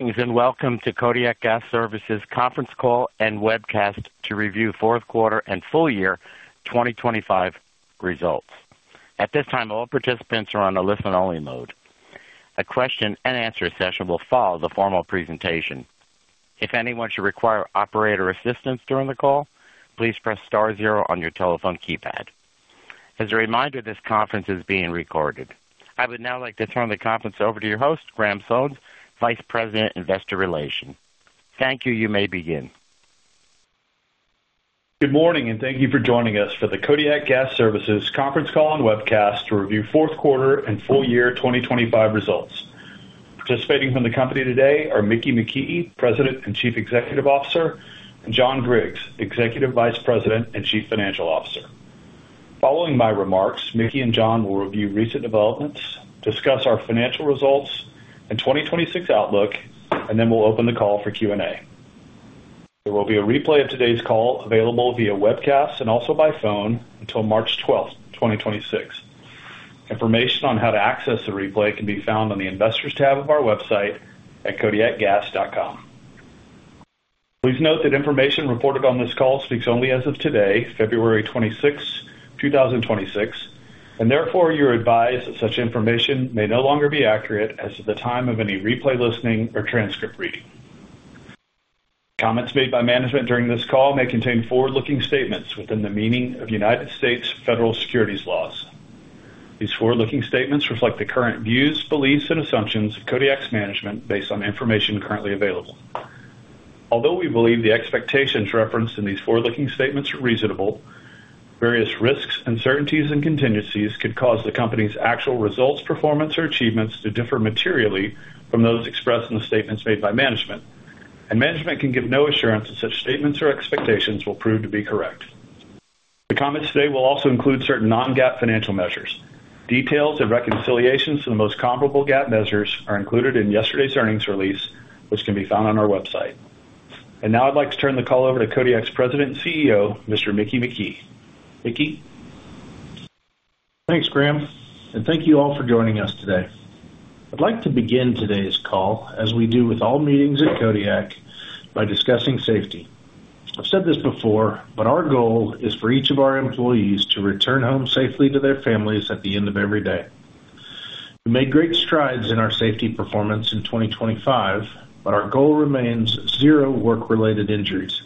Welcome to Kodiak Gas Services conference call and webcast to review fourth quarter and full year 2025 results. At this time, all participants are on a listen-only mode. A question and answer session will follow the formal presentation. If anyone should require operator assistance during the call, please press star zero on your telephone keypad. As a reminder, this conference is being recorded. I would now like to turn the conference over to your host, Graham Sones, Vice President, Investor Relations. Thank you. You may begin. Good morning, thank you for joining us for the Kodiak Gas Services conference call and webcast to review fourth quarter and full year 2025 results. Participating from the company today are Mickey McKee, President and Chief Executive Officer, and John Griggs, Executive Vice President and Chief Financial Officer. Following my remarks, Mickey and John will review recent developments, discuss our financial results and 2026 outlook, then we'll open the call for Q&A. There will be a replay of today's call available via webcast and also by phone until March 12th, 2026. Information on how to access the replay can be found on the Investors tab of our website at kodiakgas.com. Please note that information reported on this call speaks only as of today, February 26th, 2026, and therefore you're advised that such information may no longer be accurate as of the time of any replay, listening, or transcript reading. Comments made by management during this call may contain forward-looking statements within the meaning of United States federal securities laws. These forward-looking statements reflect the current views, beliefs, and assumptions of Kodiak's management based on information currently available. Although we believe the expectations referenced in these forward-looking statements are reasonable, various risks, uncertainties, and contingencies could cause the company's actual results, performance, or achievements to differ materially from those expressed in the statements made by management, and management can give no assurance that such statements or expectations will prove to be correct. The comments today will also include certain non-GAAP financial measures. Details and reconciliations to the most comparable GAAP measures are included in yesterday's earnings release, which can be found on our website. Now I'd like to turn the call over to Kodiak's President and CEO, Mr. Mickey McKee. Mickey? Thanks, Graham, thank you all for joining us today. I'd like to begin today's call, as we do with all meetings at Kodiak, by discussing safety. I've said this before, but our goal is for each of our employees to return home safely to their families at the end of every day. We made great strides in our safety performance in 2025, but our goal remains zero work-related injuries.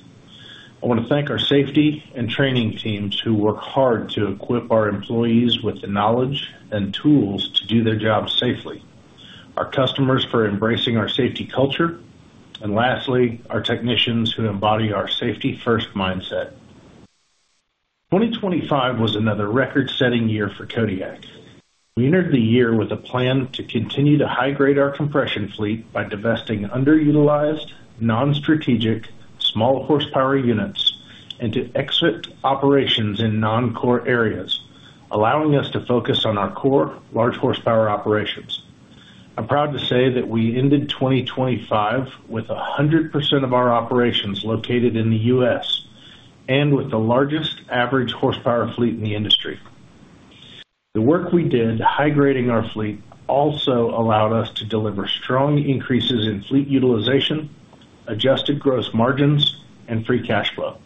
I want to thank our safety and training teams, who work hard to equip our employees with the knowledge and tools to do their jobs safely, our customers for embracing our safety culture, and lastly, our technicians who embody our safety-first mindset. 2025 was another record-setting year for Kodiak. We entered the year with a plan to continue to high-grade our compression fleet by divesting underutilized, non-strategic, small horsepower units and to exit operations in non-core areas, allowing us to focus on our core large horsepower operations. I'm proud to say that we ended 2025 with 100% of our operations located in the U.S. and with the largest average horsepower fleet in the industry. The work we did high-grading our fleet also allowed us to deliver strong increases in fleet utilization, adjusted gross margins, and free cash flow.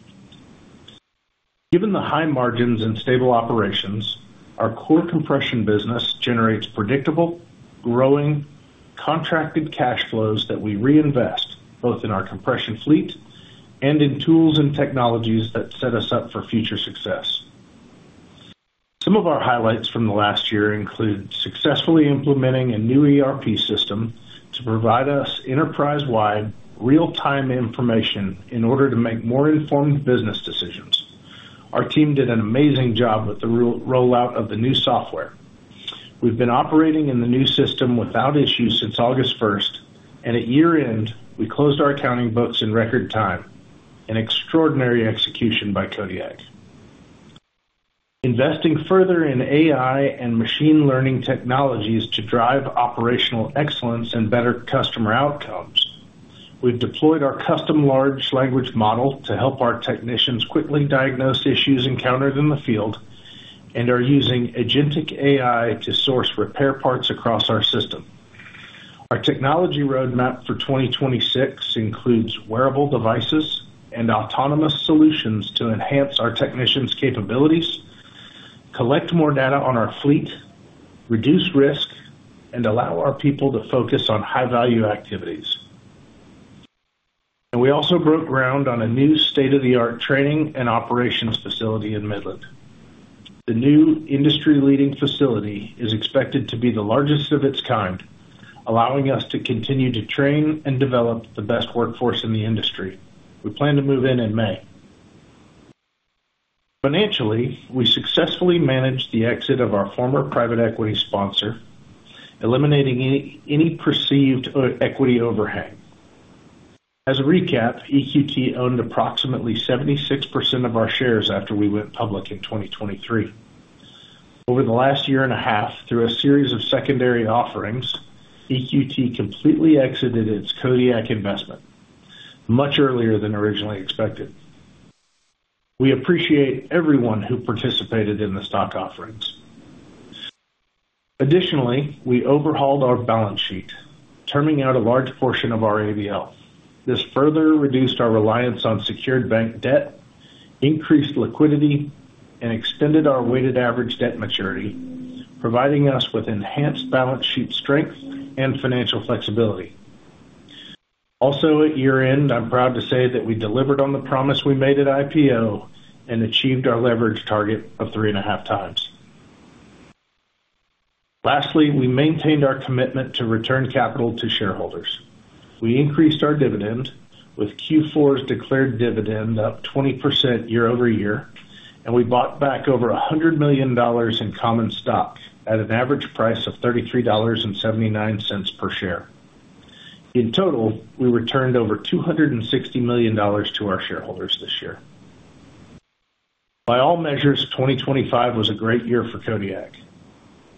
Given the high margins and stable operations, our core compression business generates predictable, growing, contracted cash flows that we reinvest both in our compression fleet and in tools and technologies that set us up for future success. Some of our highlights from the last year include successfully implementing a new ERP system to provide us enterprise-wide, real-time information in order to make more informed business decisions. Our team did an amazing job with the rollout of the new software. We've been operating in the new system without issue since August 1st, and at year-end, we closed our accounting books in record time. An extraordinary execution by Kodiak. Investing further in AI and machine learning technologies to drive operational excellence and better customer outcomes. We've deployed our custom large language model to help our technicians quickly diagnose issues encountered in the field and are using agentic AI to source repair parts across our system. Our technology roadmap for 2026 includes wearable devices and autonomous solutions to enhance our technicians' capabilities, collect more data on our fleet, reduce risk, and allow our people to focus on high-value activities. We also broke ground on a new state-of-the-art training and operations facility in Midland. The new industry-leading facility is expected to be the largest of its kind, allowing us to continue to train and develop the best workforce in the industry. We plan to move in in May. Financially, we successfully managed the exit of our former private equity sponsor, eliminating any perceived equity overhang. As a recap, EQT owned approximately 76% of our shares after we went public in 2023. Over the last year and a half, through a series of secondary offerings, EQT completely exited its Kodiak investment much earlier than originally expected. We appreciate everyone who participated in the stock offerings. We overhauled our balance sheet, turning out a large portion of our ABL. This further reduced our reliance on secured bank debt, increased liquidity, and extended our weighted average debt maturity, providing us with enhanced balance sheet strength and financial flexibility. At year-end, I'm proud to say that we delivered on the promise we made at IPO and achieved our leverage target of 3.5x. We maintained our commitment to return capital to shareholders. We increased our dividend, with Q4's declared dividend up 20% year-over-year, and we bought back over $100 million in common stock at an average price of $33.79 per share. We returned over $260 million to our shareholders this year. By all measures, 2025 was a great year for Kodiak,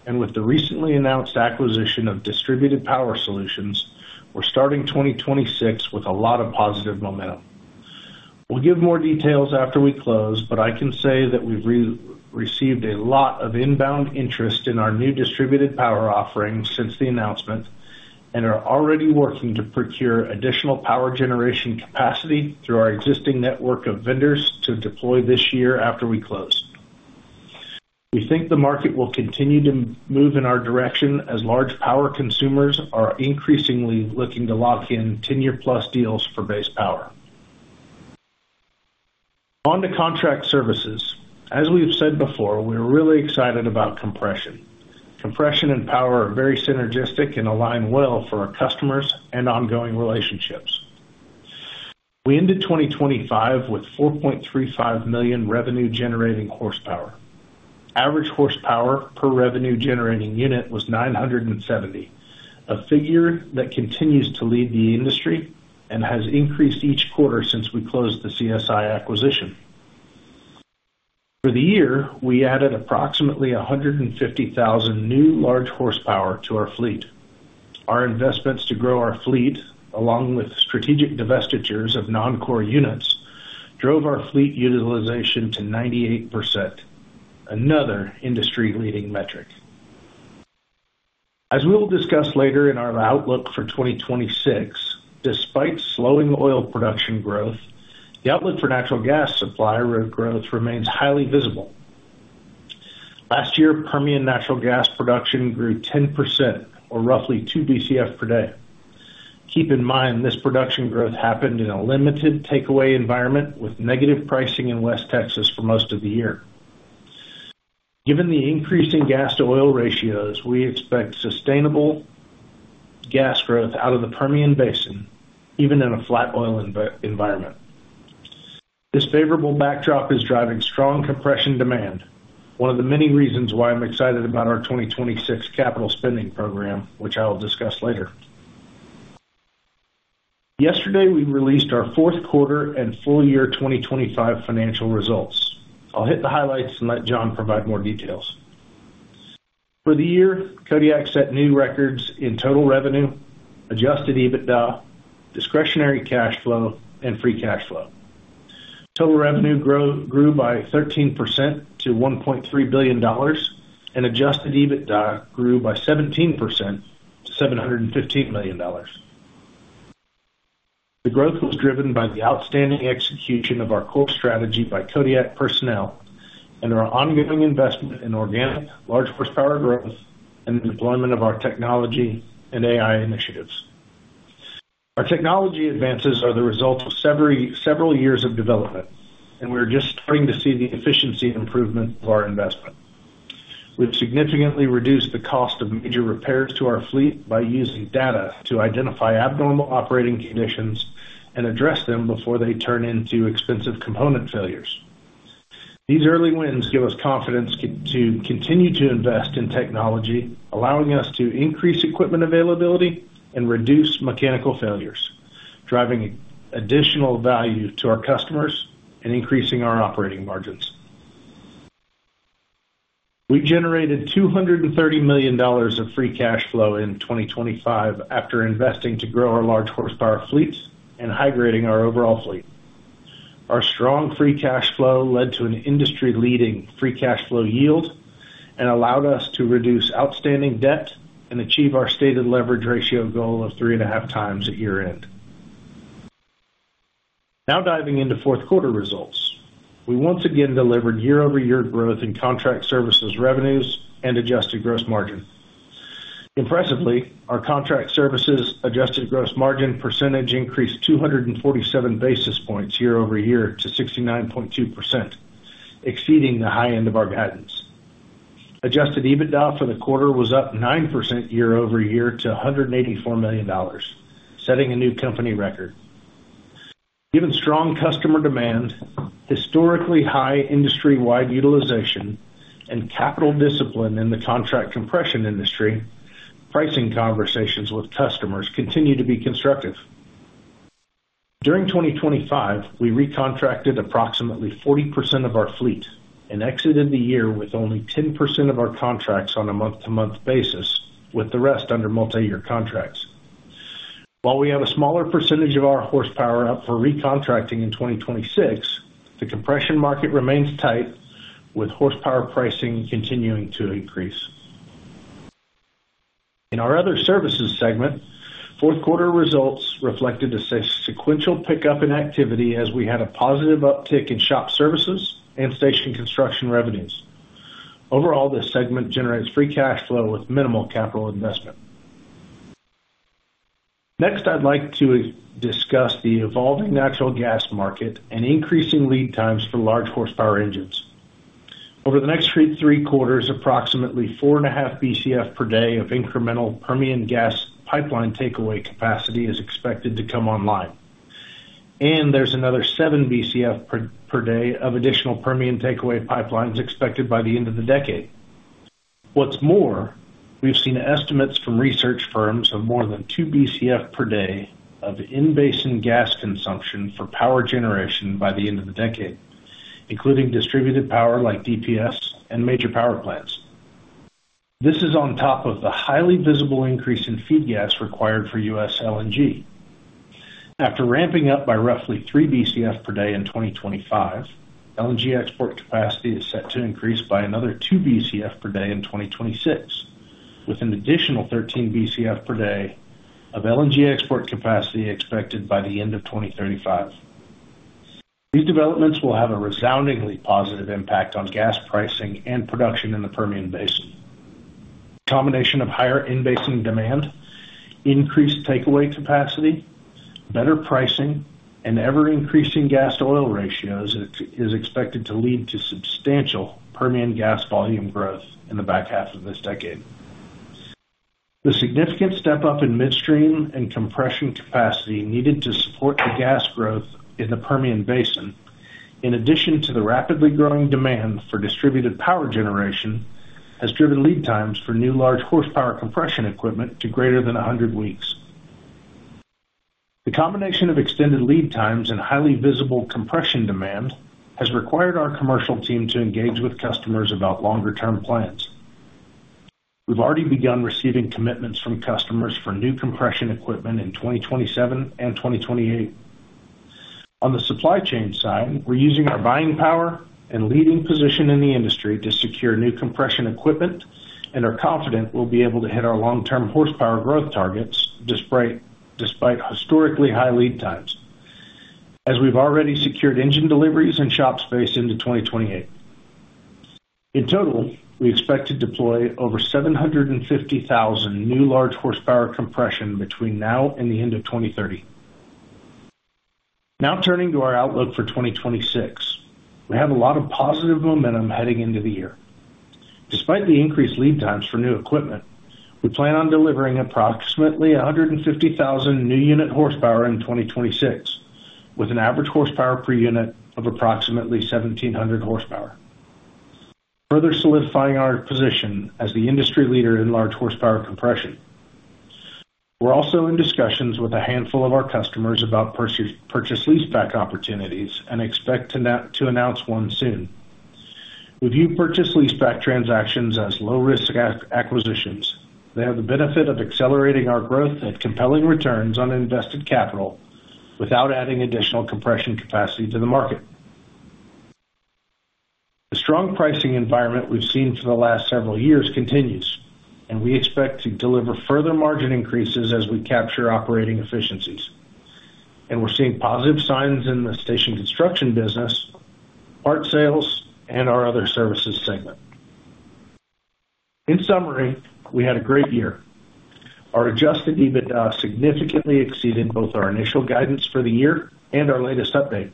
and with the recently announced acquisition of Distributed Power Solutions, we're starting 2026 with a lot of positive momentum. We'll give more details after we close, but I can say that we've received a lot of inbound interest in our new distributed power offering since the announcement, and are already working to procure additional power generation capacity through our existing network of vendors to deploy this year after we close. We think the market will continue to move in our direction as large power consumers are increasingly looking to lock in 10-year-plus deals for base power. On to Contract Services. As we've said before, we're really excited about compression. Compression and power are very synergistic and align well for our customers and ongoing relationships. We ended 2025 with 4.35 million revenue-generating horsepower. Average horsepower per revenue-generating unit was 970, a figure that continues to lead the industry and has increased each quarter since we closed the CSI acquisition. For the year, we added approximately 150,000 new large horsepower to our fleet. Our investments to grow our fleet, along with strategic divestitures of non-core units, drove our fleet utilization to 98%, another industry-leading metric. As we will discuss later in our outlook for 2026, despite slowing oil production growth, the outlook for natural gas supply growth remains highly visible. Last year, Permian natural gas production grew 10% or roughly 2 Bcf/d. Keep in mind, this production growth happened in a limited takeaway environment, with negative pricing in West Texas for most of the year. Given the increasing gas-to-oil ratios, we expect sustainable gas growth out of the Permian Basin, even in a flat oil environment. This favorable backdrop is driving strong compression demand, one of the many reasons why I'm excited about our 2026 capital spending program, which I will discuss later. Yesterday, we released our fourth quarter and full year 2025 financial results. I'll hit the highlights and let John provide more details. For the year, Kodiak set new records in total revenue, adjusted EBITDA, discretionary cash flow, and free cash flow. Total revenue grew by 13% to $1.3 billion, and adjusted EBITDA grew by 17% to $715 million. The growth was driven by the outstanding execution of our core strategy by Kodiak personnel and our ongoing investment in organic, large horsepower growth, and the deployment of our technology and AI initiatives. Our technology advances are the result of several years of development. We're just starting to see the efficiency improvement of our investment. We've significantly reduced the cost of major repairs to our fleet by using data to identify abnormal operating conditions and address them before they turn into expensive component failures. These early wins give us confidence to continue to invest in technology, allowing us to increase equipment availability and reduce mechanical failures, driving additional value to our customers and increasing our operating margins. We generated $230 million of free cash flow in 2025 after investing to grow our large horsepower fleets and high-grading our overall fleet. Our strong free cash flow led to an industry-leading free cash flow yield and allowed us to reduce outstanding debt and achieve our stated leverage ratio goal of 3.5x at year-end. Now, diving into fourth quarter results. We once again delivered year-over-year growth in Contract Services, revenues, and adjusted gross margin. Impressively, our Contract Services adjusted gross margin percentage increased 247 basis points year-over-year to 69.2%, exceeding the high end of our guidance. Adjusted EBITDA for the quarter was up 9% year-over-year to $184 million, setting a new company record. Given strong customer demand, historically high industry-wide utilization, and capital discipline in the contract compression industry, pricing conversations with customers continue to be constructive. During 2025, we recontracted approximately 40% of our fleet and exited the year with only 10% of our contracts on a month-to-month basis, with the rest under multiyear contracts. We have a smaller percentage of our horsepower up for recontracting in 2026, the compression market remains tight, with horsepower pricing continuing to increase. In our Other Services segment, fourth quarter results reflected a sequential pickup in activity as we had a positive uptick in shop services and station construction revenues. Overall, this segment generates free cash flow with minimal capital investment. Next, I'd like to discuss the evolving natural gas market and increasing lead times for large horsepower engines. Over the next three quarters, approximately 4.5 Bcf/d of incremental Permian gas pipeline takeaway capacity is expected to come online. There's another 7 Bcf/d of additional Permian takeaway pipelines expected by the end of the decade. We've seen estimates from research firms of more than 2 Bcf/d of in-basin gas consumption for power generation by the end of the decade, including distributed power like DPS and major power plants. This is on top of the highly visible increase in feed gas required for U.S. LNG. After ramping up by roughly 3 Bcf/d in 2025, LNG export capacity is set to increase by another 2 Bcf/d in 2026, with an additional 13 Bcf/d of LNG export capacity expected by the end of 2035. These developments will have a resoundingly positive impact on gas pricing and production in the Permian Basin. The combination of higher in-basin demand, increased takeaway capacity, better pricing, and ever-increasing gas-to-oil ratios is expected to lead to substantial Permian gas volume growth in the back half of this decade. The significant step up in midstream and compression capacity needed to support the gas growth in the Permian Basin, in addition to the rapidly growing demand for distributed power generation, has driven lead times for new large horsepower compression equipment to greater than 100 weeks. The combination of extended lead times and highly visible compression demand has required our commercial team to engage with customers about longer-term plans. We've already begun receiving commitments from customers for new compression equipment in 2027 and 2028. On the supply chain side, we're using our buying power and leading position in the industry to secure new compression equipment and are confident we'll be able to hit our long-term horsepower growth targets, despite historically high lead times, as we've already secured engine deliveries and shop space into 2028. In total, we expect to deploy over 750,000 new large horsepower compression between now and the end of 2030. Turning to our outlook for 2026. We have a lot of positive momentum heading into the year. Despite the increased lead times for new equipment, we plan on delivering approximately 150,000 new unit horsepower in 2026, with an average horsepower per unit of approximately 1,700 HP, further solidifying our position as the industry leader in large horsepower compression. We're also in discussions with a handful of our customers about purchase leaseback opportunities and expect to announce one soon. We view purchase leaseback transactions as low-risk acquisitions. They have the benefit of accelerating our growth at compelling returns on invested capital without adding additional compression capacity to the market. The strong pricing environment we've seen for the last several years continues, and we expect to deliver further margin increases as we capture operating efficiencies. We're seeing positive signs in the station construction business, part sales, and our Other Services segment. In summary, we had a great year. Our adjusted EBITDA significantly exceeded both our initial guidance for the year and our latest update,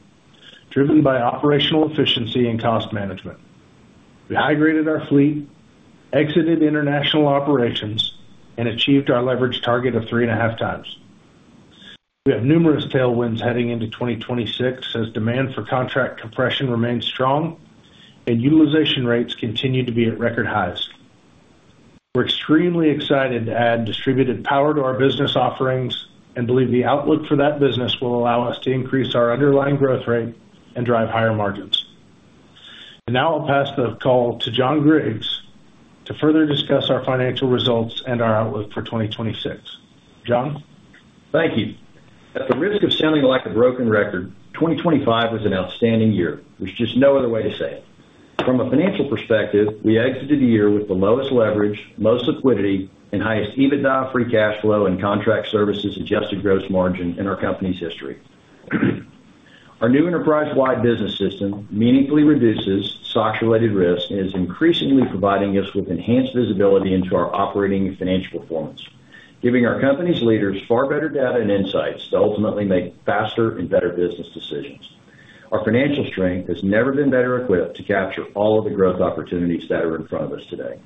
driven by operational efficiency and cost management. We high-graded our fleet, exited international operations, and achieved our leverage target of 3.5x. We have numerous tailwinds heading into 2026, as demand for contract compression remains strong and utilization rates continue to be at record highs. We're extremely excited to add distributed power to our business offerings and believe the outlook for that business will allow us to increase our underlying growth rate and drive higher margins. Now I'll pass the call to John Griggs to further discuss our financial results and our outlook for 2026. John? Thank you. At the risk of sounding like a broken record, 2025 was an outstanding year. There's just no other way to say it. From a financial perspective, we exited the year with the lowest leverage, lowest liquidity, and highest EBITDA, free cash flow, and Contract Services adjusted gross margin in our company's history. Our new enterprise-wide business system meaningfully reduces SOX-related risk and is increasingly providing us with enhanced visibility into our operating and financial performance, giving our company's leaders far better data and insights to ultimately make faster and better business decisions. Our financial strength has never been better equipped to capture all of the growth opportunities that are in front of us today.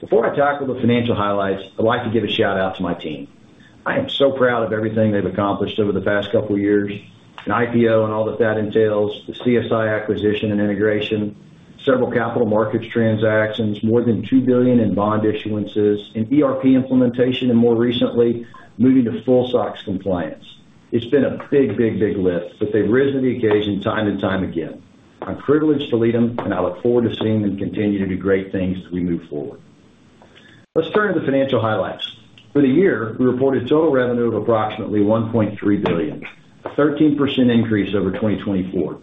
Before I tackle the financial highlights, I'd like to give a shout-out to my team. I am so proud of everything they've accomplished over the past couple of years, an IPO and all that that entails, the CSI acquisition and integration, several capital markets transactions, more than $2 billion in bond issuances, ERP implementation, more recently, moving to full SOX compliance. It's been a big lift, they've risen to the occasion time and time again. I'm privileged to lead them, I look forward to seeing them continue to do great things as we move forward. Let's turn to the financial highlights. For the year, we reported total revenue of approximately $1.3 billion, a 13% increase over 2024.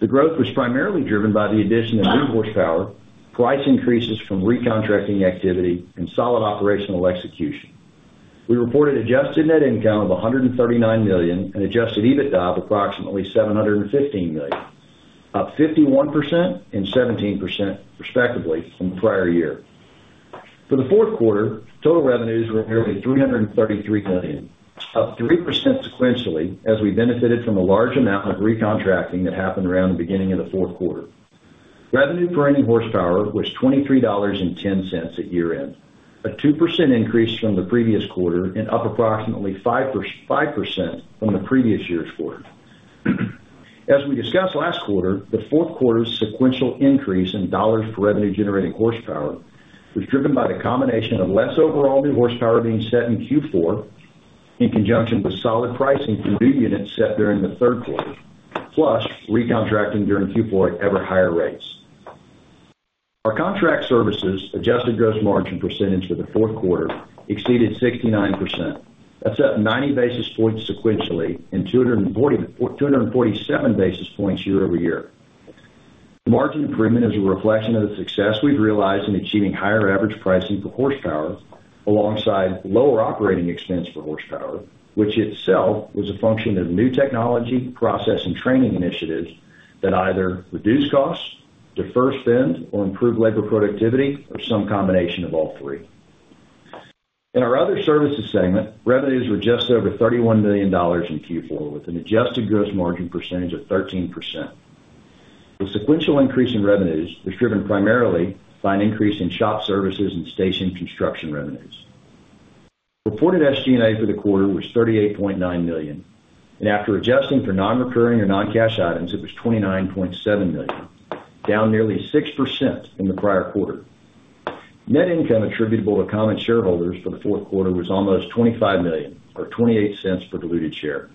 The growth was primarily driven by the addition of new horsepower, price increases from recontracting activity, and solid operational execution. We reported adjusted net income of $139 million and adjusted EBITDA of approximately $715 million, up 51% and 17%, respectively, from the prior year. For the fourth quarter, total revenues were nearly $333 million, up 3% sequentially, as we benefited from a large amount of recontracting that happened around the beginning of the fourth quarter. Revenue per earning horsepower was $23.10 at year-end, a 2% increase from the previous quarter and up approximately 5% from the previous year's quarter. As we discussed last quarter, the fourth quarter's sequential increase in dollars per revenue-generating horsepower was driven by the combination of less overall new horsepower being set in Q4, in conjunction with solid pricing for new units set during the third quarter, plus recontracting during Q4 at ever higher rates. Our Contract Services adjusted gross margin percentage for the fourth quarter exceeded 69%. That's up 90 basis points sequentially and 247 basis points year-over-year. Margin improvement is a reflection of the success we've realized in achieving higher average pricing per horsepower, alongside lower operating expense per horsepower, which itself was a function of new technology, process, and training initiatives that either reduced costs, deferred spend, or improved labor productivity, or some combination of all three. In our Other Services segment, revenues were just over $31 million in Q4, with an adjusted gross margin percentage of 13%. The sequential increase in revenues was driven primarily by an increase in shop services and station construction revenues. Reported SG&A for the quarter was $38.9 million, and after adjusting for nonrecurring or non-cash items, it was $29.7 million, down nearly 6% from the prior quarter. Net income attributable to common shareholders for the fourth quarter was almost $25 million, or $0.28 per diluted share.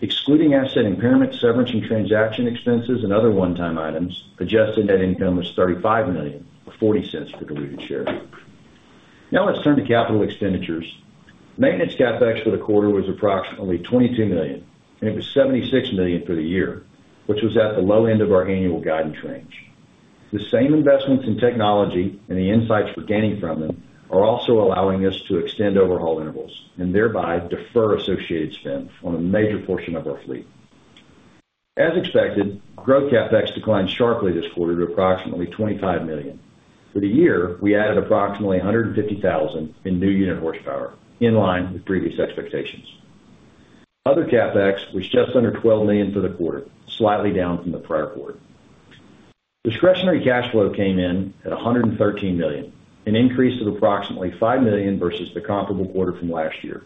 Excluding asset impairment, severance, and transaction expenses, and other one-time items, adjusted net income was $35 million, or $0.40 per diluted share. Let's turn to capital expenditures. Maintenance CapEx for the quarter was approximately $22 million, and it was $76 million for the year, which was at the low end of our annual guidance range. The same investments in technology and the insights we're gaining from them are also allowing us to extend overhaul intervals and thereby defer associated spend on a major portion of our fleet. As expected, growth CapEx declined sharply this quarter to approximately $25 million. For the year, we added approximately 150,000 in new unit horsepower, in line with previous expectations. Other CapEx was just under $12 million for the quarter, slightly down from the prior quarter. Discretionary cash flow came in at $113 million, an increase of approximately $5 million versus the comparable quarter from last year.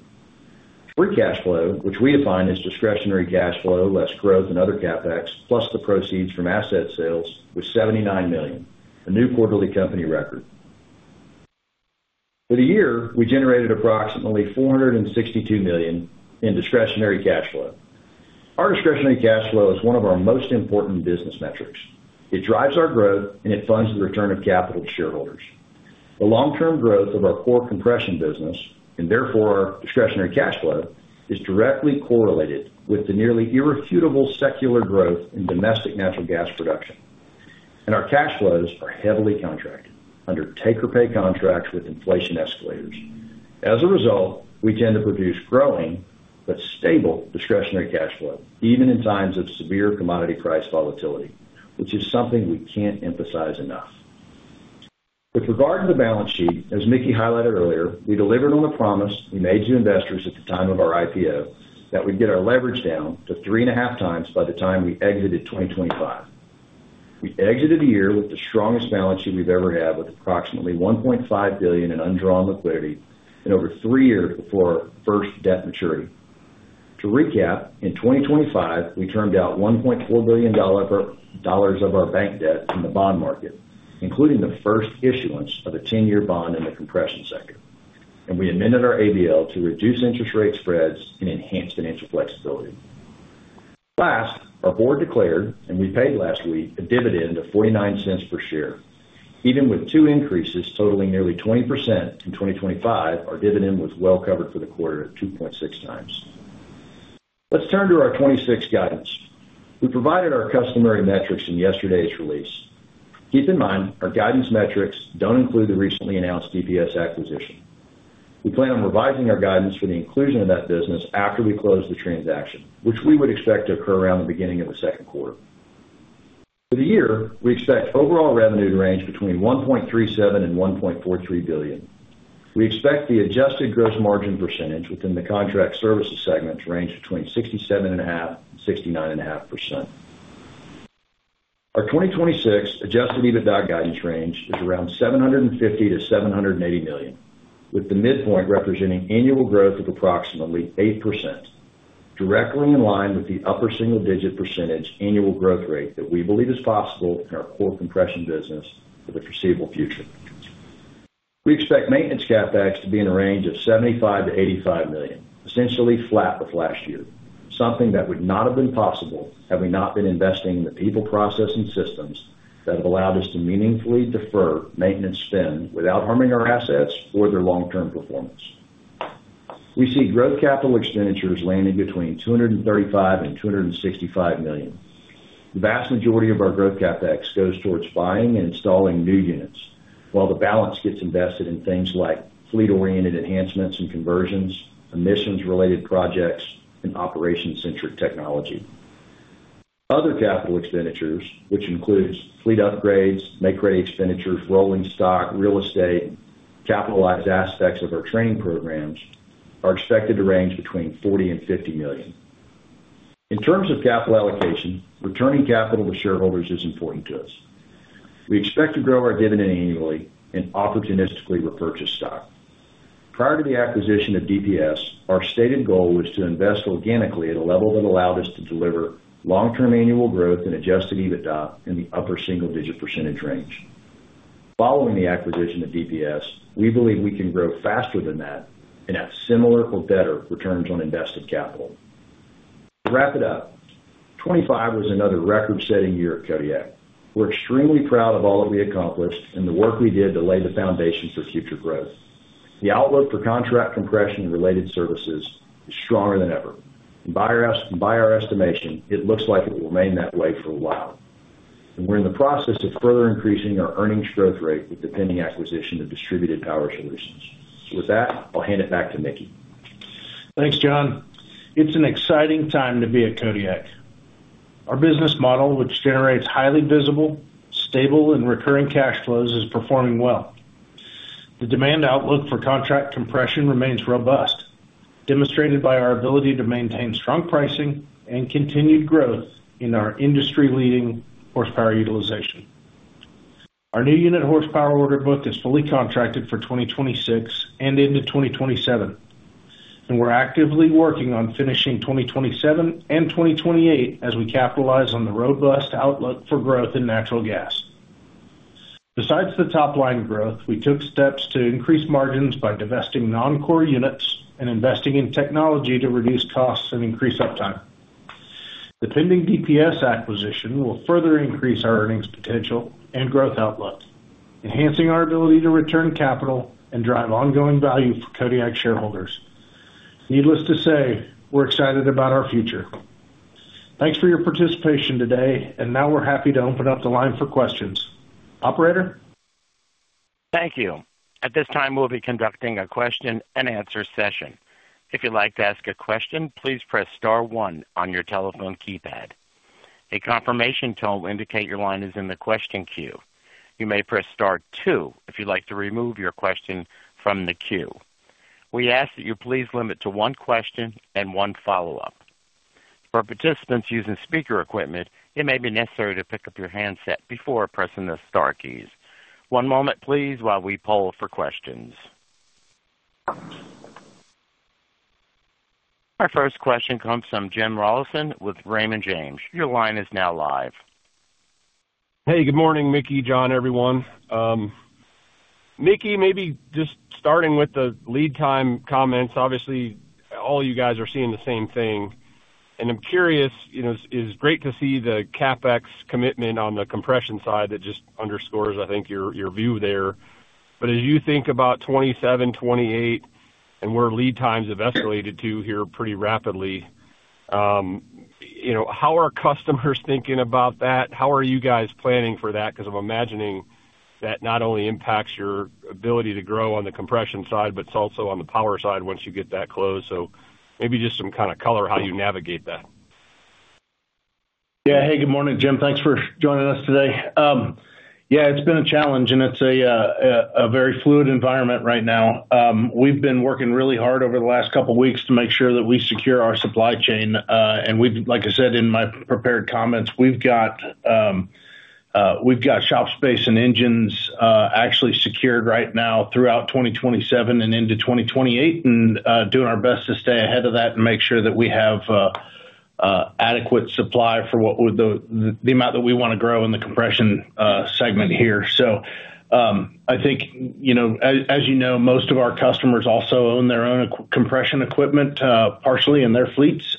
Free cash flow, which we define as discretionary cash flow, less growth and other CapEx, plus the proceeds from asset sales, was $79 million, a new quarterly company record. For the year, we generated approximately $462 million in discretionary cash flow. Our discretionary cash flow is one of our most important business metrics. It drives our growth, it funds the return of capital to shareholders. The long-term growth of our core compression business, and therefore our discretionary cash flow, is directly correlated with the nearly irrefutable secular growth in domestic natural gas production. Our cash flows are heavily contracted under take-or-pay contracts with inflation escalators. As a result, we tend to produce growing but stable discretionary cash flow, even in times of severe commodity price volatility, which is something we can't emphasize enough. With regard to the balance sheet, as Mickey highlighted earlier, we delivered on the promise we made to investors at the time of our IPO, that we'd get our leverage down to 3.5x by the time we exited 2025. We exited the year with the strongest balance sheet we've ever had, with approximately $1.5 billion in undrawn liquidity and over three years before our first debt maturity. To recap, in 2025, we turned out $1.4 billion of our bank debt in the bond market, including the first issuance of a 10-year bond in the compression sector, and we amended our ABL to reduce interest rate spreads and enhance financial flexibility. Last, our board declared, and we paid last week, a dividend of $0.49 per share. Even with two increases totaling nearly 20% in 2025, our dividend was well covered for the quarter at 2.6x. Let's turn to our 2026 guidance. We provided our customary metrics in yesterday's release. Keep in mind, our guidance metrics don't include the recently announced DPS acquisition. We plan on revising our guidance for the inclusion of that business after we close the transaction, which we would expect to occur around the beginning of the second quarter. For the year, we expect overall revenue to range between $1.37 billion and $1.43 billion. We expect the adjusted gross margin percentage within the Contract Services segment to range between 67.5% and 69.5%. Our 2026 adjusted EBITDA guidance range is around $750 million-$780 million, with the midpoint representing annual growth of approximately 8%, directly in line with the upper single-digit percentage annual growth rate that we believe is possible in our core compression business for the foreseeable future. We expect maintenance CapEx to be in a range of $75 million-$85 million, essentially flat with last year, something that would not have been possible had we not been investing in the people, process, and systems that have allowed us to meaningfully defer maintenance spend without harming our assets or their long-term performance. We see growth capital expenditures landing between $235 million and $265 million. The vast majority of our growth CapEx goes towards buying and installing new units, while the balance gets invested in things like fleet-oriented enhancements and conversions, emissions-related projects, and operation-centric technology. Other capital expenditures, which includes fleet upgrades, make-ready expenditures, rolling stock, real estate, capitalized aspects of our training programs, are expected to range between $40 million and $50 million. In terms of capital allocation, returning capital to shareholders is important to us. We expect to grow our dividend annually and opportunistically repurchase stock. Prior to the acquisition of DPS, our stated goal was to invest organically at a level that allowed us to deliver long-term annual growth and adjusted EBITDA in the upper single-digit percentage range. Following the acquisition of DPS, we believe we can grow faster than that and at similar or better returns on invested capital. To wrap it up, 2025 was another record-setting year at Kodiak. We're extremely proud of all that we accomplished and the work we did to lay the foundation for future growth. The outlook for contract compression and related services is stronger than ever, by our estimation, it looks like it will remain that way for a while. We're in the process of further increasing our earnings growth rate with the pending acquisition of Distributed Power Solutions. With that, I'll hand it back to Mickey. Thanks, John. It's an exciting time to be at Kodiak. Our business model, which generates highly visible, stable, and recurring cash flows, is performing well. The demand outlook for contract compression remains robust, demonstrated by our ability to maintain strong pricing and continued growth in our industry-leading horsepower utilization. Our new unit horsepower order book is fully contracted for 2026 and into 2027. We're actively working on finishing 2027 and 2028 as we capitalize on the robust outlook for growth in natural gas. Besides the top line growth, we took steps to increase margins by divesting non-core units and investing in technology to reduce costs and increase uptime. The pending DPS acquisition will further increase our earnings potential and growth outlook, enhancing our ability to return capital and drive ongoing value for Kodiak shareholders. Needless to say, we're excited about our future. Thanks for your participation today, and now we're happy to open up the line for questions. Operator? Thank you. At this time, we'll be conducting a question-and-answer session. If you'd like to ask a question, please press star one on your telephone keypad. A confirmation tone will indicate your line is in the question queue. You may press star two if you'd like to remove your question from the queue. We ask that you please limit to one question and one follow-up. For participants using speaker equipment, it may be necessary to pick up your handset before pressing the star keys. One moment, please, while we poll for questions. Our first question comes from Jim Rollyson with Raymond James. Your line is now live. Hey, good morning, Mickey, John, everyone. Mickey, maybe just starting with the lead time comments. Obviously, all you guys are seeing the same thing, and I'm curious, you know, it's great to see the CapEx commitment on the compression side. That just underscores, I think, your view there. As you think about 2027, 2028, and where lead times have escalated to here pretty rapidly, you know, how are customers thinking about that? How are you guys planning for that? Because I'm imagining that not only impacts your ability to grow on the compression side, but it's also on the power side once you get that close. Maybe just some kind of color how you navigate that. Yeah. Hey, good morning, Jim. Thanks for joining us today. Yeah, it's been a challenge, and it's a very fluid environment right now. We've been working really hard over the last couple of weeks to make sure that we secure our supply chain, and like I said in my prepared comments, we've got shop space and engines actually secured right now throughout 2027 and into 2028, and doing our best to stay ahead of that and make sure that we have adequate supply for what would the amount that we want to grow in the compression segment here. I think, you know, as you know, most of our customers also own their own compression equipment partially in their fleets.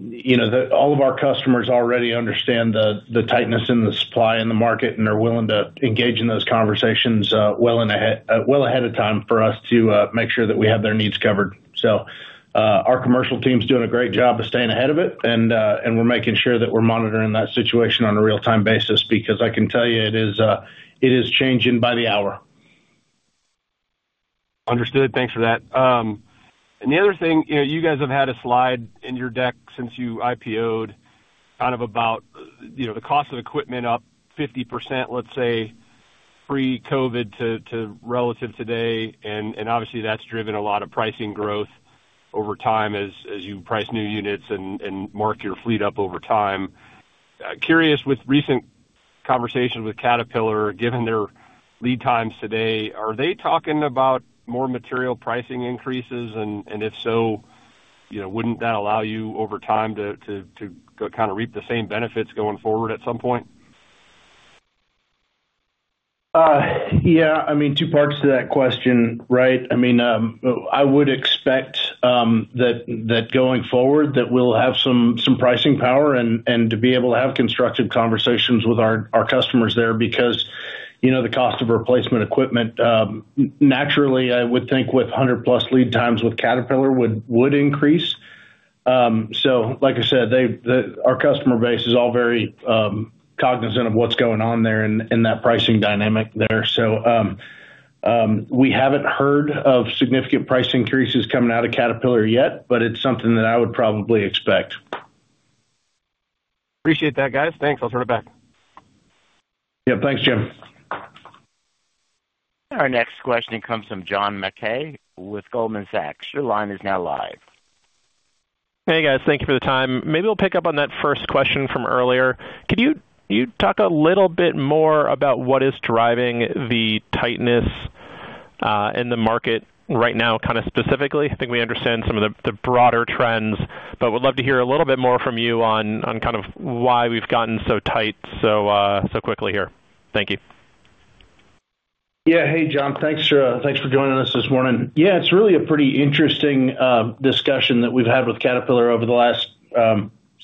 You know, the... All of our customers already understand the tightness in the supply in the market and are willing to engage in those conversations, well ahead of time for us to make sure that we have their needs covered. Our commercial team's doing a great job of staying ahead of it, and we're making sure that we're monitoring that situation on a real-time basis, because I can tell you it is, it is changing by the hour. Understood. Thanks for that. The other thing, you know, you guys have had a slide in your deck since you IPO'd, kind of about, you know, the cost of equipment up 50%, let's say, pre-COVID to relative today. Obviously, that's driven a lot of pricing growth over time as you price new units and mark your fleet up over time. Curious, with recent conversations with Caterpillar, given their lead times today, are they talking about more material pricing increases? If so,... you know, wouldn't that allow you over time to kind of reap the same benefits going forward at some point? Yeah, I mean, two parts to that question, right? I mean, I would expect that going forward, that we'll have some pricing power and to be able to have constructive conversations with our customers there, because, you know, the cost of replacement equipment, naturally, I would think with 100+ lead times with Caterpillar would increase. Like I said, our customer base is all very cognizant of what's going on there in that pricing dynamic there. We haven't heard of significant price increases coming out of Caterpillar yet, but it's something that I would probably expect. Appreciate that, guys. Thanks. I'll turn it back. Yeah, thanks, Jim. Our next question comes from John Mackay with Goldman Sachs. Your line is now live. Hey, guys. Thank you for the time. Maybe we'll pick up on that first question from earlier. Could you talk a little bit more about what is driving the tightness in the market right now, kind of specifically? I think we understand some of the broader trends, but would love to hear a little bit more from you on kind of why we've gotten so tight so quickly here. Thank you. Hey, John. Thanks, thanks for joining us this morning. It's really a pretty interesting discussion that we've had with Caterpillar over the last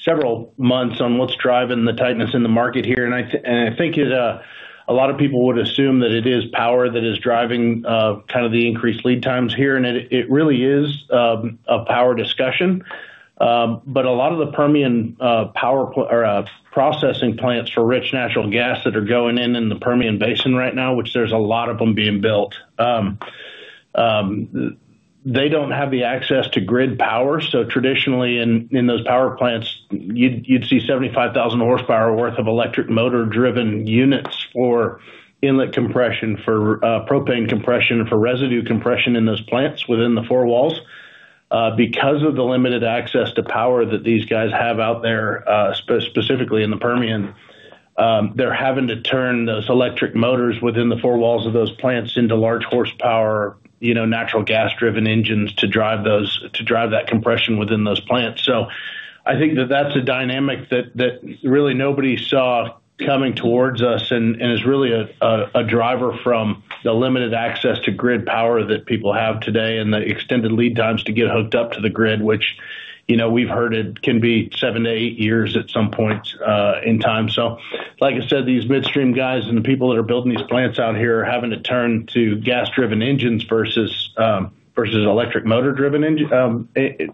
several months on what's driving the tightness in the market here. I think a lot of people would assume that it is power that is driving kind of the increased lead times here, and it really is a power discussion. A lot of the Permian power or processing plants for rich natural gas that are going in in the Permian Basin right now, which there's a lot of them being built, they don't have the access to grid power. Traditionally in those power plants, you'd see 75,000 HP worth of electric motor-driven units for inlet compression, for propane compression, for residue compression in those plants within the four walls. Because of the limited access to power that these guys have out there, specifically in the Permian, they're having to turn those electric motors within the four walls of those plants into large horsepower, you know, natural gas-driven engines to drive those to drive that compression within those plants. I think that that's a dynamic that really nobody saw coming towards us and is really a driver from the limited access to grid power that people have today and the extended lead times to get hooked up to the grid, which, you know, we've heard it can be seven, eight years at some point in time. Like I said, these midstream guys and the people that are building these plants out here are having to turn to gas-driven engines versus electric motor-driven engine,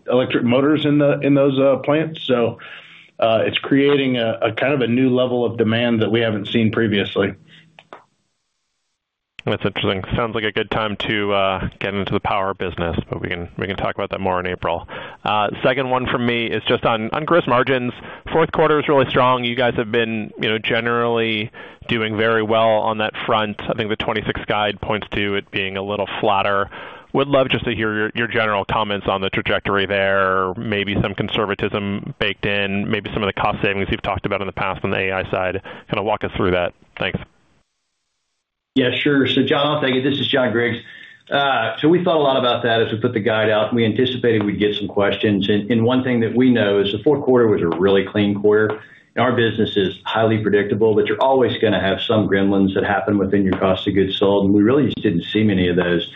electric motors in those plants. It's creating a kind of a new level of demand that we haven't seen previously. That's interesting. Sounds like a good time to get into the power business, we can talk about that more in April. Second one from me is just on gross margins. Fourth quarter is really strong. You guys have been, you know, generally doing very well on that front. I think the 2026 guide points to it being a little flatter. Would love just to hear your general comments on the trajectory there. Maybe some conservatism baked in, maybe some of the cost savings you've talked about in the past on the AI side. Kind of walk us through that. Thanks. Yeah, sure. John, thank you. This is John Griggs. We thought a lot about that as we put the guide out, and we anticipated we'd get some questions. One thing that we know is the fourth quarter was a really clean quarter. Our business is highly predictable, but you're always gonna have some gremlins that happen within your cost of goods sold, and we really just didn't see many of those.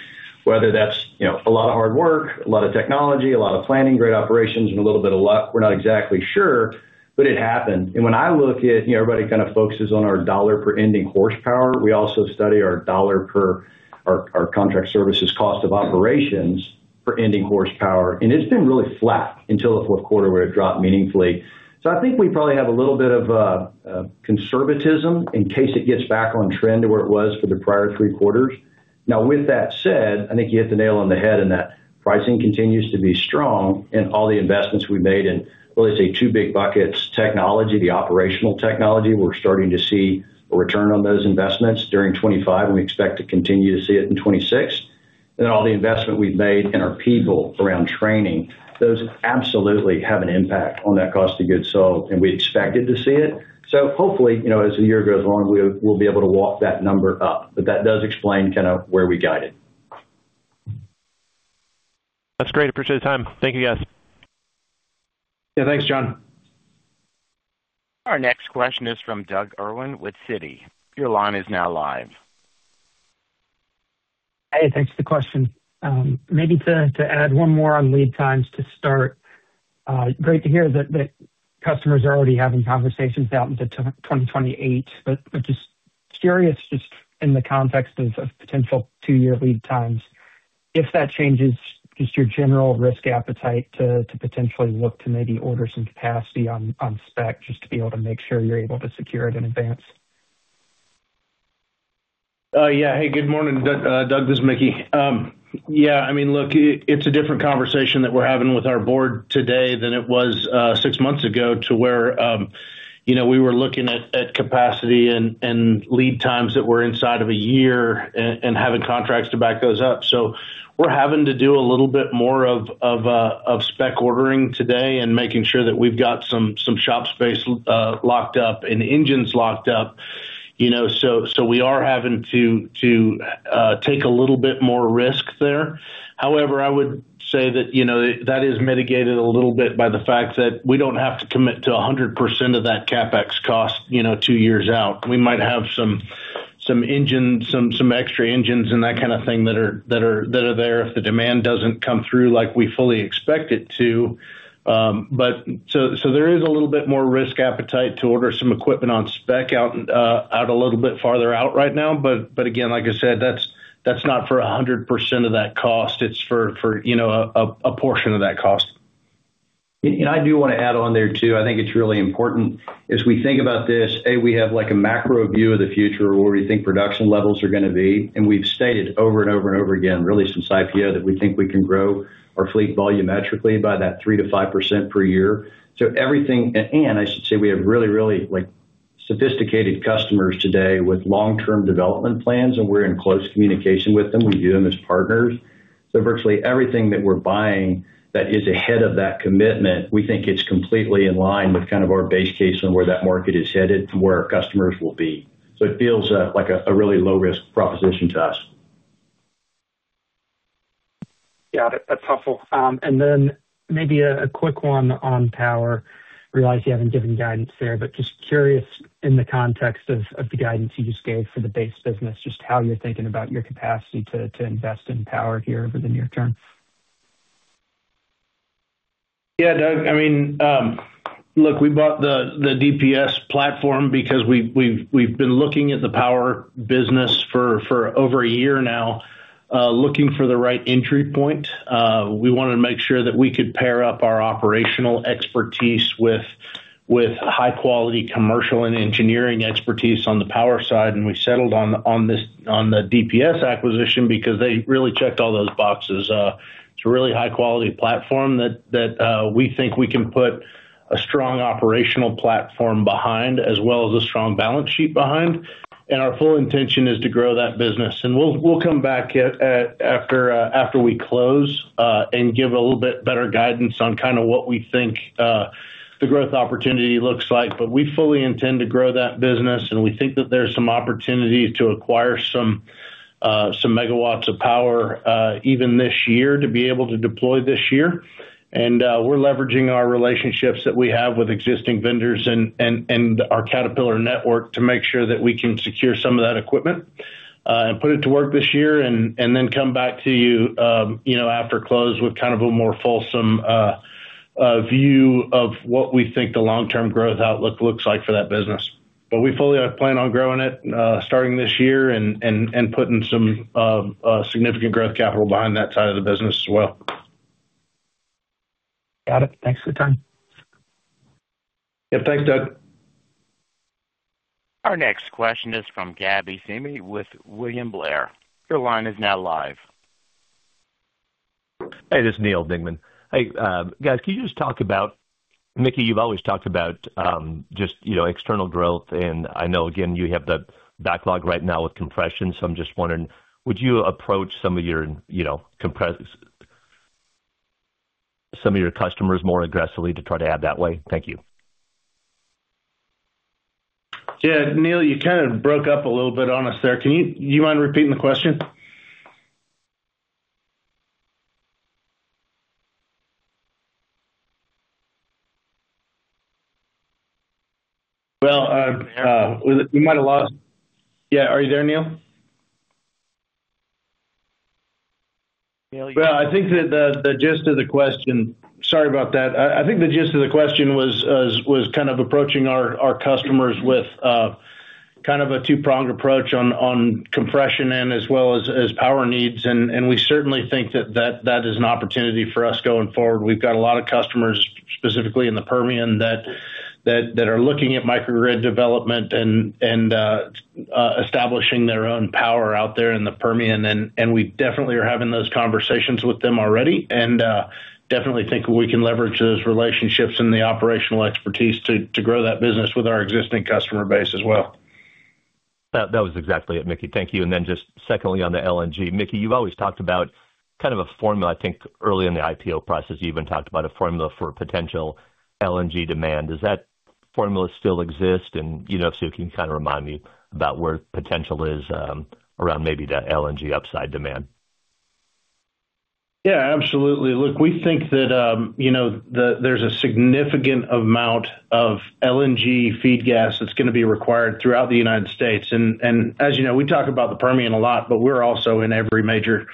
Whether that's, you know, a lot of hard work, a lot of technology, a lot of planning, great operations, and a little bit of luck, we're not exactly sure, but it happened. When I look at, you know, everybody kind of focuses on our dollar per ending horsepower, we also study our dollar per our Contract Services cost of operations for ending horsepower, and it's been really flat until the fourth quarter, where it dropped meaningfully. I think we probably have a little bit of conservatism in case it gets back on trend to where it was for the prior three quarters. With that said, I think you hit the nail on the head, and that pricing continues to be strong and all the investments we've made in, well, let's say two big buckets: technology, the operational technology, we're starting to see a return on those investments during 2025, and we expect to continue to see it in 2026. All the investment we've made in our people around training, those absolutely have an impact on that cost of goods sold, and we expected to see it. Hopefully, you know, as the year goes along, we'll be able to walk that number up, but that does explain kind of where we guided. That's great. Appreciate the time. Thank you, guys. Yeah, thanks, John. Our next question is from Doug Irwin with Citi. Your line is now live. Hey, thanks for the question. Maybe to add one more on lead times to start. Great to hear that customers are already having conversations out into 2028. Just curious, just in the context of potential two-year lead times, if that changes just your general risk appetite to potentially look to maybe order some capacity on spec, just to be able to make sure you're able to secure it in advance. Yeah. Hey, good morning, Doug, this is Mickey. Yeah, I mean, look, it's a different conversation that we're having with our board today than it was six months ago, to where, you know, we were looking at capacity and lead times that were inside of a year and having contracts to back those up. We're having to do a little bit more of spec ordering today and making sure that we've got some shop space locked up and engines locked up. You know, we are having to take a little bit more risk there. However, I would say that, you know, that is mitigated a little bit by the fact that we don't have to commit to 100% of that CapEx cost, you know, two years out. We might have some extra engines and that are there if the demand doesn't come through like we fully expect it to. There is a little bit more risk appetite to order some equipment on spec out a little bit farther out right now. Again, like I said, that's not for 100% of that cost. It's for, you know, a portion of that cost. I do want to add on there, too. I think it's really important as we think about this, A, we have, like, a macro view of the future, where we think production levels are going to be, and we've stated over and over again, really since IPO, that we think we can grow our fleet volumetrically by that 3%-5% per year. I should say we have really, like, sophisticated customers today with long-term development plans, and we're in close communication with them. We view them as partners. Virtually everything that we're buying that is ahead of that commitment, we think it's completely in line with kind of our base case on where that market is headed and where our customers will be. It feels, like a really low-risk proposition to us. Got it. That's helpful. Maybe a quick one on power. I realize you haven't given guidance there, but just curious in the context of the guidance you just gave for the base business, just how you're thinking about your capacity to invest in power here over the near term? Yeah, Doug, I mean, look, we bought the DPS platform because we've been looking at the power business for over a year now, looking for the right entry point. We wanted to make sure that we could pair up our operational expertise with high quality commercial and engineering expertise on the power side, and we settled on this, on the DPS acquisition because they really checked all those boxes. It's a really high quality platform that we think we can put a strong operational platform behind, as well as a strong balance sheet behind. Our full intention is to grow that business. We'll come back after we close and give a little bit better guidance on kind of what we think the growth opportunity looks like. We fully intend to grow that business, and we think that there's some opportunity to acquire some megawatts of power, even this year, to be able to deploy this year. We're leveraging our relationships that we have with existing vendors and our Caterpillar network to make sure that we can secure some of that equipment, and put it to work this year, and then come back to you know, after close with kind of a more fulsome view of what we think the long-term growth outlook looks like for that business. We fully plan on growing it, starting this year and putting some significant growth capital behind that side of the business as well. Got it. Thanks for the time. Yeah. Thanks, Doug. Our next question is from Neal Dingmann with William Blair. Your line is now live. Hey, this is Neal Dingmann. Hey, guys, can you just talk about... Mickey, you've always talked about, just, you know, external growth, and I know, again, you have the backlog right now with compression, so I'm just wondering, would you approach some of your, you know, some of your customers more aggressively to try to add that way? Thank you. Yeah, Neal, you kind of broke up a little bit on us there. Do you mind repeating the question? Well, we might have lost... Yeah, are you there, Neal? Neal. Well, I think that the gist of the question. Sorry about that. I think the gist of the question was kind of approaching our customers with kind of a two-pronged approach on compression and as well as power needs. We certainly think that that is an opportunity for us going forward. We've got a lot of customers, specifically in the Permian, that are looking at microgrid development and establishing their own power out there in the Permian. We definitely are having those conversations with them already, and definitely think we can leverage those relationships and the operational expertise to grow that business with our existing customer base as well. That was exactly it, Mickey. Thank you. Then just secondly, on the LNG. Mickey, you've always talked about kind of a formula. I think early in the IPO process, you even talked about a formula for potential LNG demand. Does that formula still exist? You know, so you can kind of remind me about where potential is, around maybe the LNG upside demand. Yeah, absolutely. Look, we think that, you know, there's a significant amount of LNG feed gas that's going to be required throughout the United States. As you know, we talk about the Permian a lot, but we're also in every major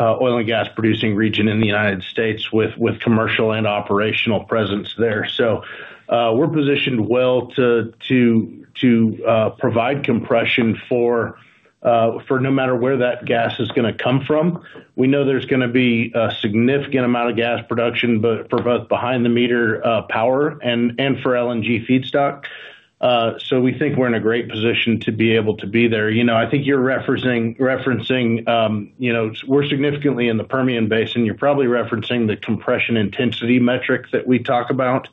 oil and gas-producing region in the United States with commercial and operational presence there. We're positioned well to provide compression for no matter where that gas is going to come from. We know there's going to be a significant amount of gas production, but for both behind the meter power and for LNG feedstock. We think we're in a great position to be able to be there. You know, I think you're referencing, you know, we're significantly in the Permian Basin. You're probably referencing the compression intensity metric that we talk about.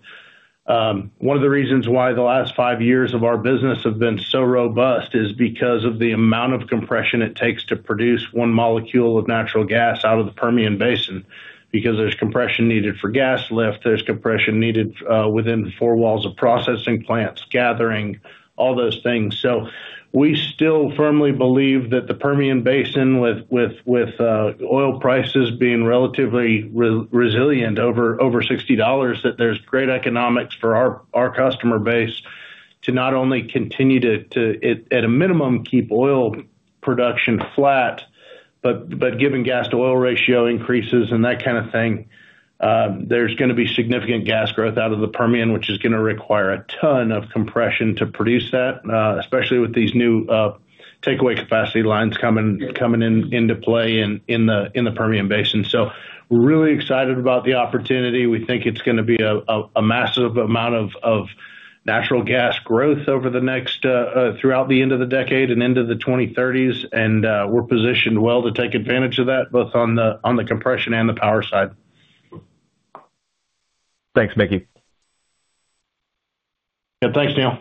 One of the reasons why the last five years of our business have been so robust is because of the amount of compression it takes to produce one molecule of natural gas out of the Permian Basin, because there's compression needed for gas lift, there's compression needed within the four walls of processing plants, gathering, all those things. We still firmly believe that the Permian Basin, with oil prices being relatively resilient over $60, that there's great economics for our customer base to not only continue at a minimum, keep oil production flat, but given gas-to-oil ratio increases and that kind of thing, there's gonna be significant gas growth out of the Permian, which is gonna require a ton of compression to produce that, especially with these new takeaway capacity lines coming into play in the Permian Basin. We're really excited about the opportunity. We think it's gonna be a massive amount of natural gas growth over the next throughout the end of the decade and into the 2030s. We're positioned well to take advantage of that, both on the, on the compression and the power side. Thanks, Mickey. Yeah, thanks, Neal.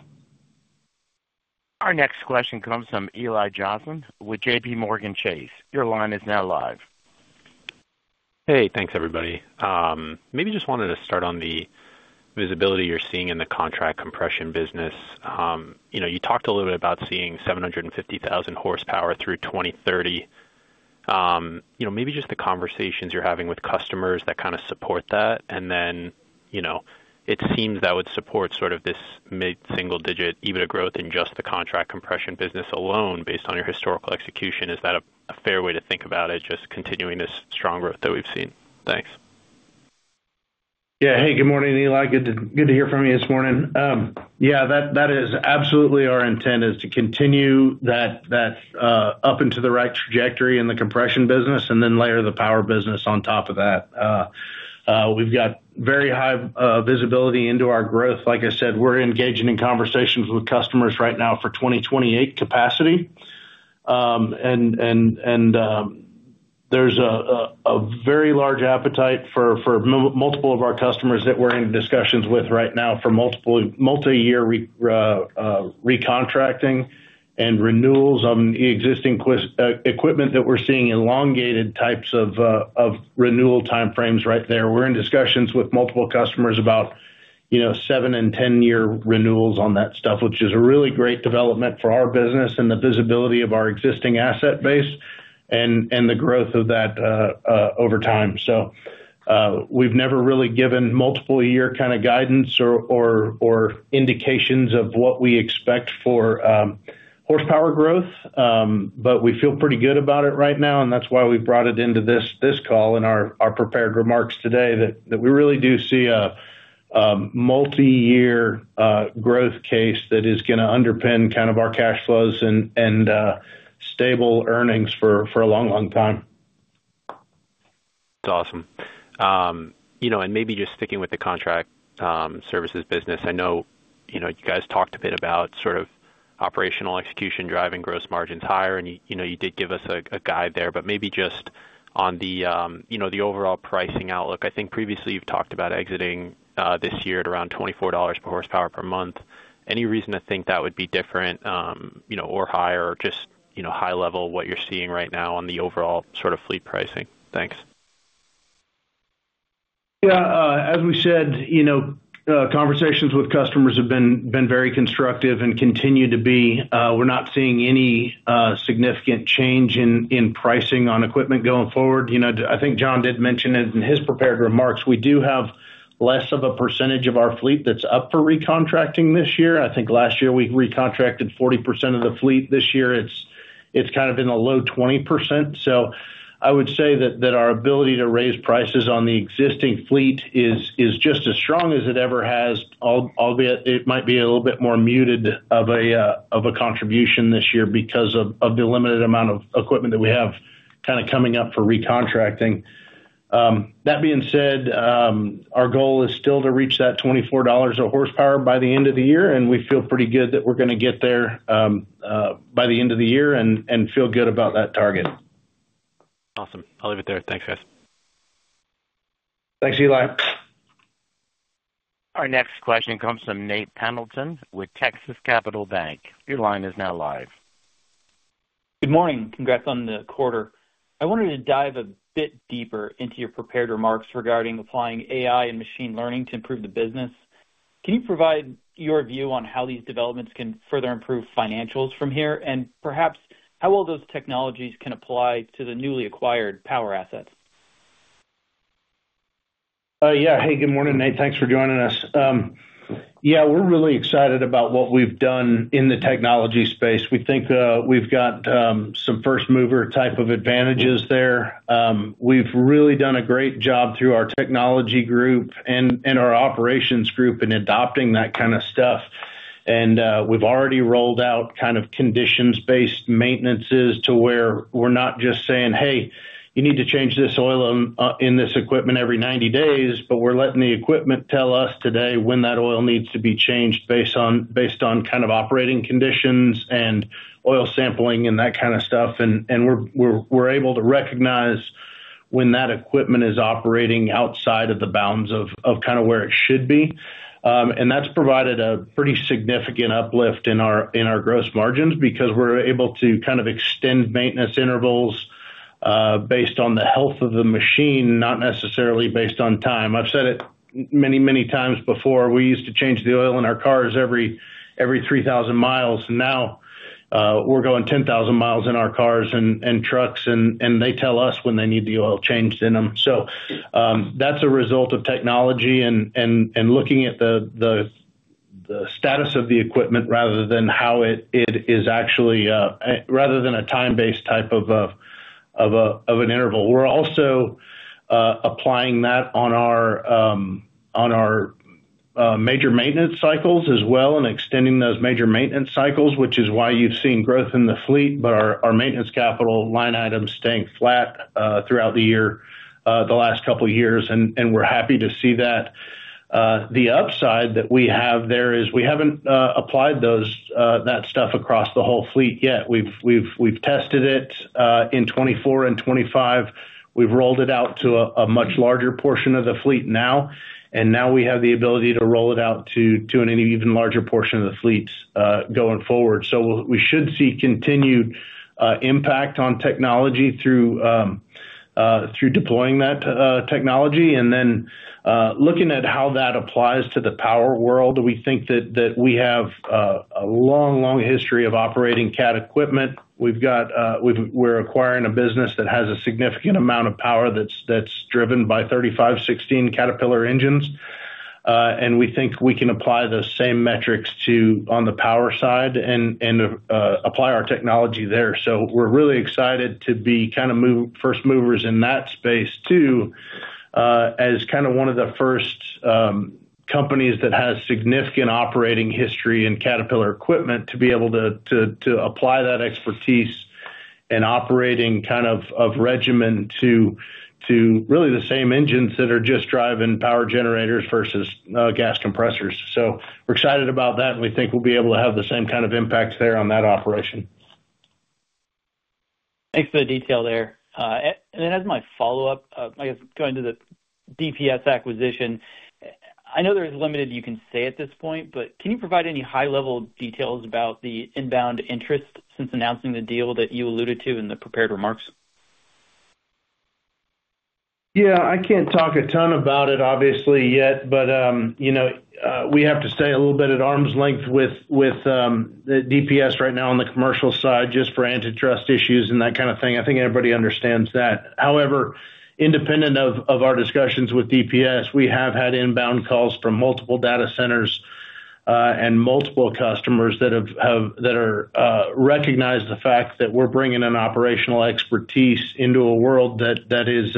Our next question comes from Eli Jossen with JPMorgan Chase. Your line is now live. Hey, thanks, everybody. Maybe just wanted to start on the visibility you're seeing in the contract compression business. You know, you talked a little bit about seeing 750,000 HP through 2030. You know, maybe just the conversations you're having with customers that kind of support that. And then, you know, it seems that would support sort of this mid-single digit EBITDA growth in just the contract compression business alone, based on your historical execution. Is that a fair way to think about it, just continuing this strong growth that we've seen? Thanks. Hey, good morning, Eli. Good to hear from you this morning. That is absolutely our intent, is to continue that up into the right trajectory in the compression business and then layer the power business on top of that. We've got very high visibility into our growth. Like I said, we're engaging in conversations with customers right now for 2028 capacity. There's a very large appetite for multiple of our customers that we're in discussions with right now for multiyear recontracting and renewals on the existing equipment that we're seeing elongated types of renewal time frames right there. We're in discussions with multiple customers about, you know, seven and 10-year renewals on that stuff, which is a really great development for our business and the visibility of our existing asset base and the growth of that over time. We've never really given multiple year kind of guidance or indications of what we expect for horsepower growth, but we feel pretty good about it right now, and that's why we brought it into this call in our prepared remarks today, that we really do see a multiyear growth case that is gonna underpin kind of our cash flows and stable earnings for a long, long time. That's awesome. You know, maybe just sticking with the Contract Services business. I know, you know, you guys talked a bit about sort of operational execution, driving gross margins higher, and, you know, you did give us a guide there, but maybe just on the, you know, the overall pricing outlook. I think previously you've talked about exiting this year at around $24 per horsepower per month. Any reason to think that would be different, you know, or higher or just, you know, high level, what you're seeing right now on the overall sort of fleet pricing? Thanks. Yeah, as we said, you know, conversations with customers have been very constructive and continue to be. We're not seeing any significant change in pricing on equipment going forward. You know, I think John did mention it in his prepared remarks. We do have less of a percentage of our fleet that's up for recontracting this year. I think last year we recontracted 40% of the fleet. This year, it's kind of in the low 20%. I would say that our ability to raise prices on the existing fleet is just as strong as it ever has, albeit it might be a little bit more muted of a contribution this year because of the limited amount of equipment that we have kind of coming up for recontracting. That being said, our goal is still to reach that $24 a horsepower by the end of the year, and we feel pretty good that we're gonna get there by the end of the year and feel good about that target. Awesome. I'll leave it there. Thanks, guys. Thanks, Eli. Our next question comes from Nate Pendleton with Texas Capital Securities. Your line is now live. Good morning. Congrats on the quarter. I wanted to dive a bit deeper into your prepared remarks regarding applying AI and machine learning to improve the business. Can you provide your view on how these developments can further improve financials from here? Perhaps how well those technologies can apply to the newly acquired power assets? Yeah. Hey, good morning, Nate. Thanks for joining us. Yeah, we're really excited about what we've done in the technology space. We think we've got some first mover type of advantages there. We've really done a great job through our technology group and our operations group in adopting that kind of stuff. We've already rolled out kind of condition-based maintenance to where we're not just saying, "Hey, you need to change this oil, in this equipment every 90 days," but we're letting the equipment tell us today when that oil needs to be changed based on kind of operating conditions and oil sampling and that kind of stuff. We're able to recognize when that equipment is operating outside of the bounds of kind of where it should be. That's provided a pretty significant uplift in our gross margins, because we're able to kind of extend maintenance intervals, based on the health of the machine, not necessarily based on time. I've said it many times before, we used to change the oil in our cars every 3,000 mi. Now, we're going 10,000 mi in our cars and trucks, and they tell us when they need the oil changed in them. That's a result of technology and looking at the status of the equipment rather than how it is actually, rather than a time-based type of an interval. We're also applying that on our on our major maintenance cycles as well, and extending those major maintenance cycles, which is why you've seen growth in the fleet, but our maintenance capital line items staying flat throughout the year, the last couple of years, and we're happy to see that. The upside that we have there is we haven't applied those that stuff across the whole fleet yet. We've tested it in 2024 and 2025. We've rolled it out to a much larger portion of the fleet now, and now we have the ability to roll it out to an even larger portion of the fleets going forward. We should see continued impact on technology through through deploying that technology. Looking at how that applies to the power world, we think that we have a long history of operating Cat equipment. We've got, we're acquiring a business that has a significant amount of power that's driven by 3516 Caterpillar engines. And we think we can apply the same metrics to on the power side and apply our technology there. We're really excited to be kind of first movers in that space, too, as kind of one of the first companies that has significant operating history in Caterpillar equipment, to be able to apply that expertise and operating kind of regimen to really the same engines that are just driving power generators versus gas compressors. We're excited about that, and we think we'll be able to have the same kind of impact there on that operation. Thanks for the detail there. As my follow-up, I guess going to the DPS acquisition, I know there is limited you can say at this point, but can you provide any high-level details about the inbound interest since announcing the deal that you alluded to in the prepared remarks? Yeah, I can't talk a ton about it obviously yet, but, you know, we have to stay a little bit at arm's length with the DPS right now on the commercial side, just for antitrust issues and that kind of thing. I think everybody understands that. However, independent of our discussions with DPS, we have had inbound calls from multiple data centers and multiple customers that recognize the fact that we're bringing an operational expertise into a world that is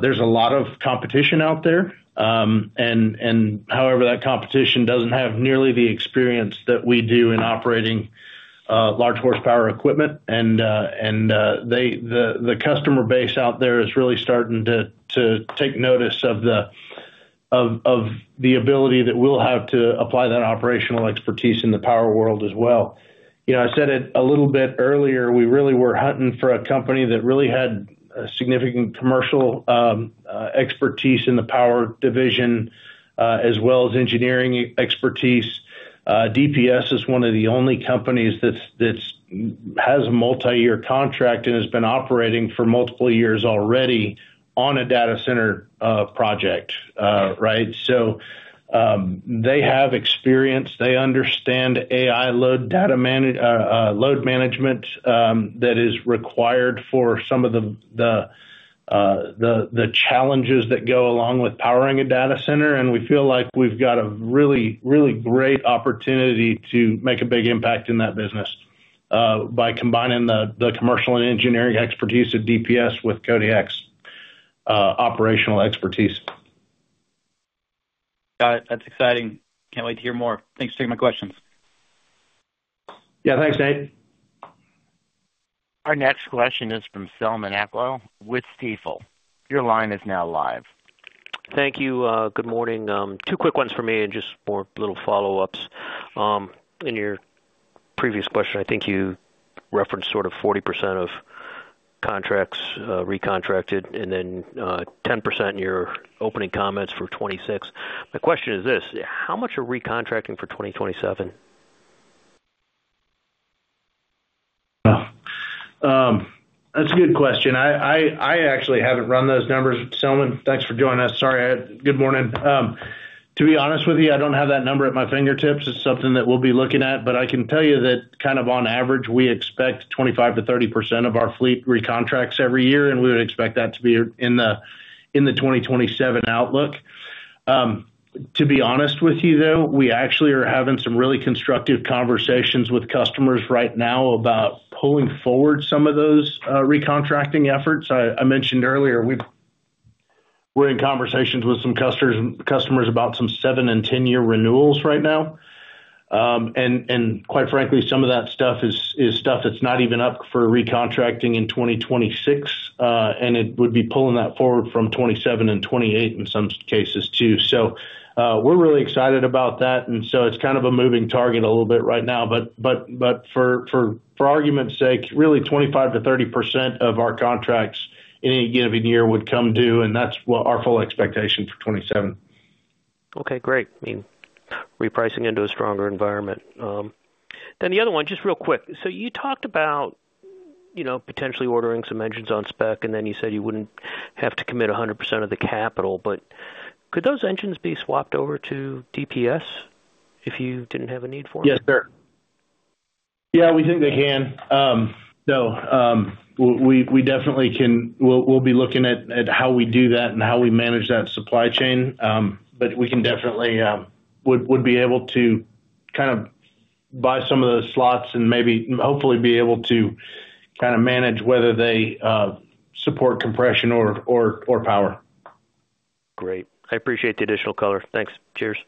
there's a lot of competition out there. However, that competition doesn't have nearly the experience that we do in operating large horsepower equipment. They, the customer base out there is really starting to take notice of the ability that we'll have to apply that operational expertise in the power world as well. You know, I said it a little bit earlier, we really were hunting for a company that really had a significant commercial expertise in the power division, as well as engineering expertise. DPS is one of the only companies that's has a multiyear contract and has been operating for multiple years already on a data center project, right? They have experience, they understand AI load data manage load management that is required for some of the challenges that go along with powering a data center. We feel like we've got a really, really great opportunity to make a big impact in that business, by combining the commercial and engineering expertise of DPS with Kodiak's operational expertise. Got it. That's exciting. Can't wait to hear more. Thanks for taking my questions. Yeah, thanks, Nate. Our next question is from Selman Akyol with Stifel. Your line is now live. Thank you, good morning. Two quick ones for me and just more little follow-ups. In your previous question, I think you referenced sort of 40% of contracts, recontracted and then, 10% in your opening comments for 2026. My question is this: how much are recontracting for 2027? That's a good question. I actually haven't run those numbers, Selman. Thanks for joining us. Sorry, good morning. To be honest with you, I don't have that number at my fingertips. It's something that we'll be looking at, but I can tell you that kind of on average, we expect 25%-30% of our fleet recontracts every year. We would expect that to be in the, in the 2027 outlook. To be honest with you, though, we actually are having some really constructive conversations with customers right now about pulling forward some of those recontracting efforts. I mentioned earlier, we're in conversations with some customers about some seven and 10-year renewals right now. Quite frankly, some of that stuff is stuff that's not even up for recontracting in 2026, and it would be pulling that forward from 2027 and 2028 in some cases, too. We're really excited about that, and so it's kind of a moving target a little bit right now, but for argument's sake, really 25%-30% of our contracts any given year would come due, and that's what our full expectation for 2027. Great. I mean, repricing into a stronger environment. The other one, just real quick: so you talked about, you know, potentially ordering some engines on spec, and then you said you wouldn't have to commit 100% of the capital, but could those engines be swapped over to DPS if you didn't have a need for them? Yes, sir. Yeah, we think they can. We definitely can. We'll be looking at how we do that and how we manage that supply chain. We can definitely would be able to kind of buy some of those slots and maybe, hopefully be able to kind of manage whether they support compression or power. Great. I appreciate the additional color. Thanks. Cheers.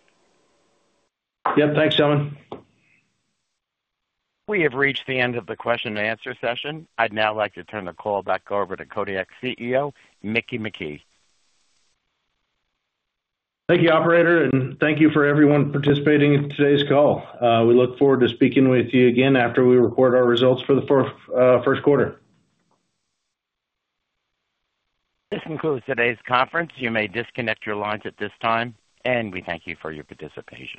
Yep. Thanks, Selman. We have reached the end of the question and answer session. I'd now like to turn the call back over to Kodiak CEO, Mickey McKee. Thank you, operator, and thank you for everyone participating in today's call. We look forward to speaking with you again after we report our results for the first quarter. This concludes today's conference. You may disconnect your lines at this time, and we thank you for your participation.